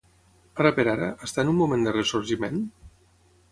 Ara per ara, està en un moment de ressorgiment?